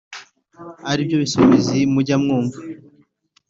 ari byo bisumizi mujya mwumva